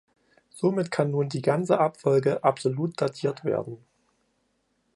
Somit kann nun die ganze Abfolge absolut datiert werden.